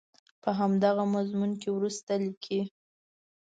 په همدغه مضمون کې وروسته لیکي.